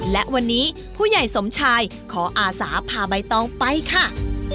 และวันนี้ผู้ใหญ่สมชายขออาสาพาใบตองไปค่ะ